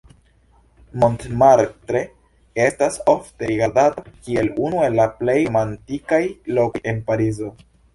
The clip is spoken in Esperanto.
Montmartre estas ofte rigardata kiel unu el la plej romantikaj lokoj en Parizo.